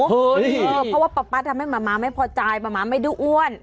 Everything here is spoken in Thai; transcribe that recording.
เฮ้ยเออเพราะว่าป๊าป๊าทำให้มาม่าไม่พอใจมาม่าไม่ได้อ้วน